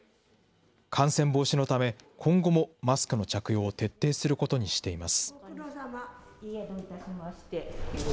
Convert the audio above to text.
感染防止のため、今後もマスクの着用を徹底することにしています。